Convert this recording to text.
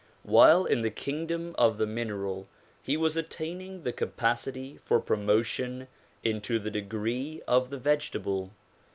While in the kingdom of the mineral he was attaining the capacity for promotion into the degree of the vegetable.